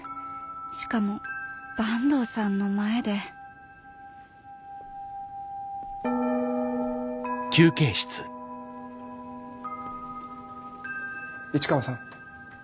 しかも坂東さんの前で市川さん。